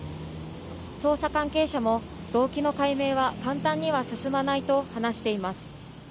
捜査関係者も動機の解明は簡単には進まないと話しています。